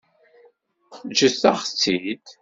Ǧǧet-aɣ-tt-id.